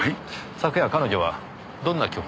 昨夜彼女はどんな曲を？